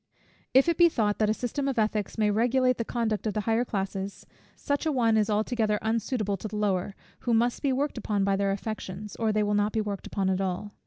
If it be thought that a system of ethics may regulate the conduct of the higher classes; such an one is altogether unsuitable to the lower, who must be worked upon by their affections, or they will not be worked upon at all.